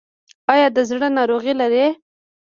ایا د زړه ناروغي لرئ؟